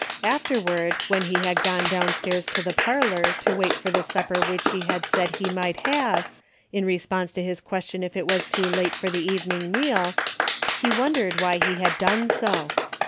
Afterward, when he had gone downstairs to the parlor to wait for the supper which she had said he might have, in response to his question if it was too late for the evening meal, he wondered why he had done so.